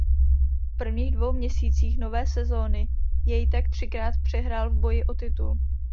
V prvních dvou měsících nové sezóny jej tak třikrát přehrál v boji o titul.